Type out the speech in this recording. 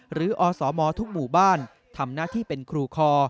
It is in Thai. อสมทุกหมู่บ้านทำหน้าที่เป็นครูคอ